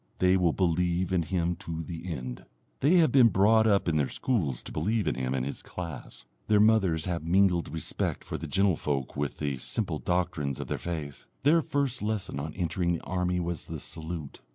They will believe in him to the end. They have been brought up in their schools to believe in him and his class, their mothers have mingled respect for the gentlefolk with the simple doctrines of their faith, their first lesson on entering the army was the salute.